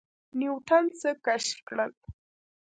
نیوټن څه کشف کړل؟